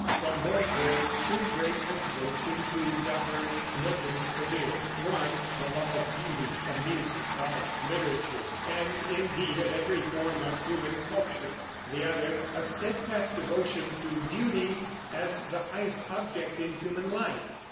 From boyhood two great principles seem to govern Milton's career: one, the love of beauty, of music, art, literature, and indeed of every form of human culture; the other, a steadfast devotion to duty as the highest object in human life.